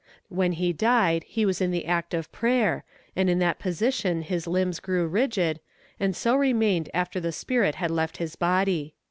When he died he was in the act of prayer, and in that position his limbs grew rigid, and so remained after the spirit had left his body."